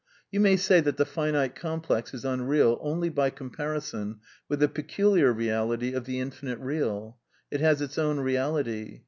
You may say that the finite complex is unreal only by com parison with the peculiar reality of the infinite Beal. It has its own reality.